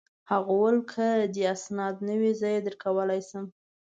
هغه وویل: که دي اسناد نه وي، زه يې درکولای شم.